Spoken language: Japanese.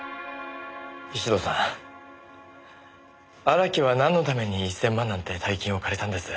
荒木はなんのために１０００万なんて大金を借りたんです？